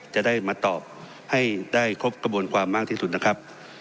จะได้มาตอบให้ได้ครบกระบวนความมากที่สุดนะครับ